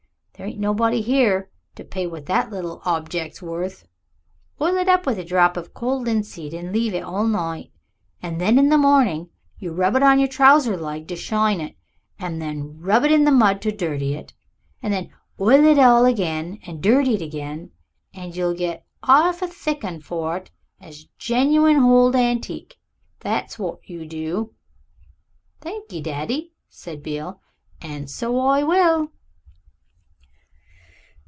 There ain't nobody here to pay what that little hobjec's worth. Hoil it up with a drop of cold linseed and leave it all night, and then in the morning you rub it on yer trouser leg to shine it, and then rub it in the mud to dirty it, and then hoil it again and dirty it again, and you'll get 'arf a thick 'un for it as a genuwine hold antique. That's wot you do." "Thankee, daddy," said Beale, "an' so I will."